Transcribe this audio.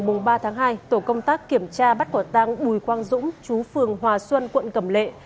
ngày ba tháng hai tổ công tác kiểm tra bắt quả tăng bùi quang dũng chú phường hòa xuân quận cầm lệ